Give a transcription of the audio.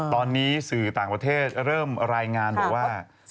ตอนนี้สื่อต่างประเทศเริ่มรายงานบอกว่า